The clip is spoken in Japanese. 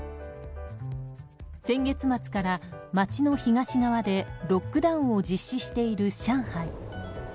先月末から、街の東側でロックダウンを実施している上海。